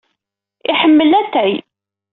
Iḥemmel atay.